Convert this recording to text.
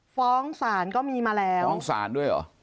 ฟ้องศาลก็มีมาแล้วฟ้องศาลด้วยเหรอ